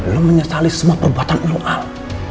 lo menyesali semua perbuatan lo al